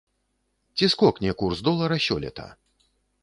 Ці скокне курс долара сёлета?